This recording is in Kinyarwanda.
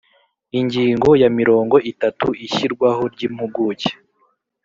Ingingo ya mirongo itatu Ishyirwaho ry Impuguke